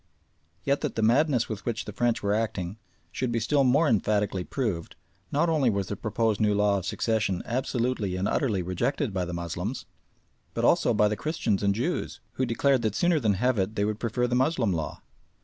Yet that the madness with which the French were acting should be still more emphatically proved, not only was the proposed new law of succession absolutely and utterly rejected by the Moslems, but also by the Christians and Jews, who declared that sooner than have it they would prefer the Moslem law.